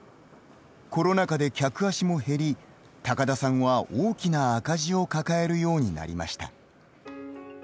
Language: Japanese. コロナ禍で客足も減り高田さんは大きな赤字を抱えるようになりました。